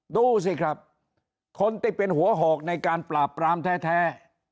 ดูสิครับคนที่เป็นหัวหอกในการปราบปรามแท้